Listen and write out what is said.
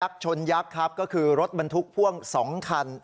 ชนยักษ์ครับก็คือรถบรรทุกพ่วง๒คัน